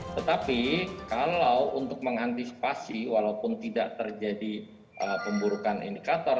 tetapi kalau untuk mengantisipasi walaupun tidak terjadi pemburukan indikator